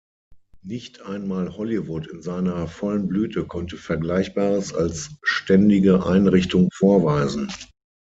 Nicht einmal Hollywood in seiner vollen Blüte konnte Vergleichbares als ständige Einrichtung vorweisen!